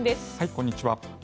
こんにちは。